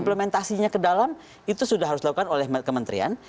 implementasinya ke dalam itu sudah harus dilakukan oleh kementerian